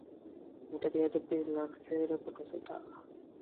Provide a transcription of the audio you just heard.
এটা বেয়াদবি লাগছে রে, বোকাচোদা?